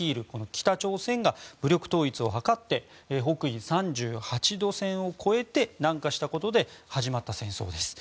北朝鮮が武力統一を図って北緯３８度線を越えて南下したことで始まった戦争です。